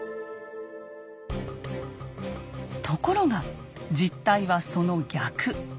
ところが実態はその逆。